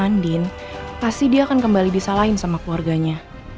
kalau andin pasti dia akan kembali disalahin sama keluarganya